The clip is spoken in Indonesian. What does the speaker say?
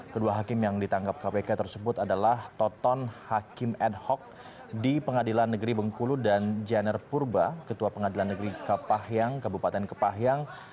kedua hakim yang ditangkap kpk tersebut adalah toton hakim ad hoc di pengadilan negeri bengkulu dan jenner purba ketua pengadilan negeri kepahyang kabupaten kepahyang